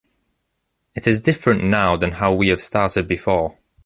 It is different now than how we have started before.